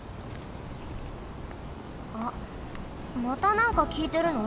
あっまたなんかきいてるの？